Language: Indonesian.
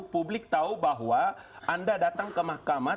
publik tahu bahwa anda datang ke mahkamah